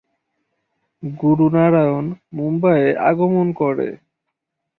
গুরু নারায়ণ মুম্বইয়ে আগমন করে।